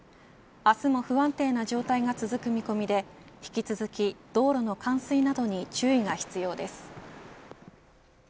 明日も不安定な状態が続く見込みで引き続き道路の冠水などに注意が必要です。